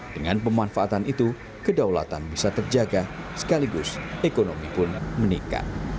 dengan pemanfaatan itu kedaulatan bisa terjaga sekaligus ekonomi pun meningkat